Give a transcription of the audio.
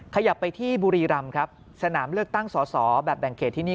ขยับไปที่บุรีรำครับสนามเลือกตั้งสอสอแบบแบ่งเขตที่นี่